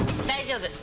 大丈夫！